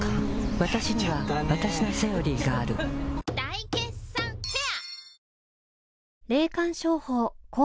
わたしにはわたしの「セオリー」がある大決算フェア